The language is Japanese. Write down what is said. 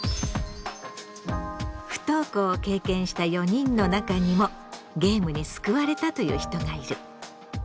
不登校を経験した４人の中にもゲームに救われたという人がいる。